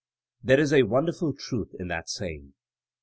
There is a won derful truth in that saying.